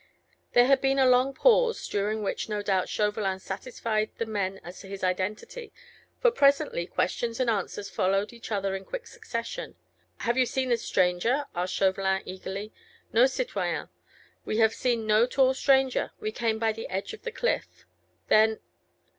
There had been a long pause, during which, no doubt, Chauvelin satisfied the men as to his identity, for presently, questions and answers followed each other in quick succession. "You have seen the stranger?" asked Chauvelin, eagerly. "No, citoyen, we have seen no tall stranger; we came by the edge of the cliff." "Then?"